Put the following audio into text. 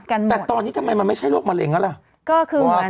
กันหมดแต่ตอนนี้กำไมมันไม่ใช่โรคมะเร็งน่ะล่ะก็คือเพราะว่า